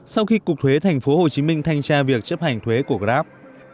sau khi cục thuế tp hcm thanh tra việc chấp hành thuế của grab